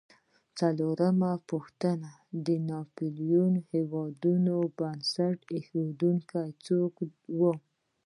څلورمه پوښتنه: د ناپېیلو هېوادونو بنسټ ایښودونکي څوک و؟